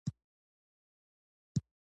همایون بیرته واک ترلاسه کړ.